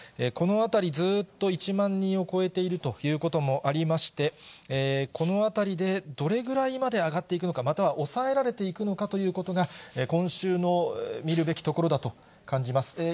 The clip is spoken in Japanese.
このあたり、ずっと１万人を超えているということもありまして、このあたりでどれぐらいまで上がっていくのか、または抑えられていくのかということが、今週の見るべきところだと感じます。